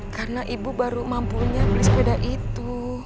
karena ibu baru mampunya beli sepeda itu